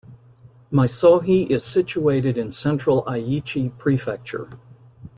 Miysohi is situated in central Aichi Prefecture.